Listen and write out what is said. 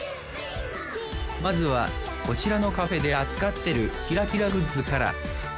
まずはこちらのカフェで扱ってるキラキラグッズから。